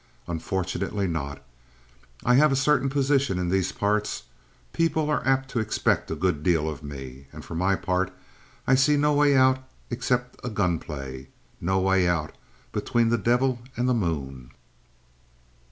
"Unfortunately not. I have a certain position in these parts. People are apt to expect a good deal of me. And for my part I see no way out except a gunplay no way out between the devil and the moon!"